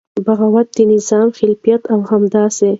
بغاوت د نظام خلاف او همداسې